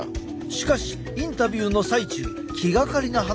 しかしインタビューの最中気がかりな話を聞いた。